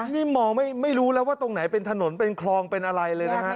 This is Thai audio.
นี่มองไม่รู้แล้วว่าตรงไหนเป็นถนนเป็นคลองเป็นอะไรเลยนะฮะ